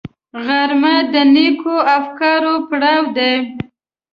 غرمه د نېکو افکارو پړاو دی